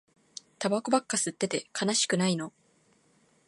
タバコばっか吸ってて悲しくないの